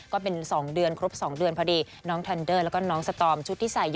ก็เป็น๒เดือนครบ๒เดือนพอดีน้องแทนเดอร์แล้วก็น้องสตอมชุดที่ใส่อยู่